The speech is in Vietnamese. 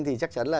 thì chắc chắn là